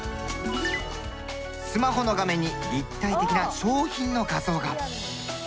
スマホの画面に立体的な商品の画像が。